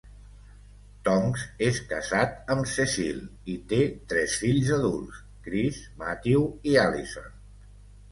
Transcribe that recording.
Tonks és casat amb Cecile i té tres fills adults: Chris, Matthew i Alison.